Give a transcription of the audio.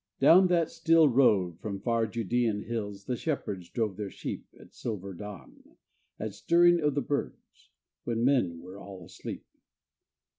Down that still road from far Judean hills The shepherds drove their sheep At silver dawn at stirring of the birds When men were all asleep.